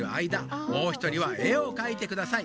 もうひとりは絵をかいてください。